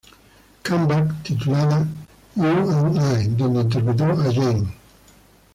Come Back", titulada "You and I", donde interpretó a Janie.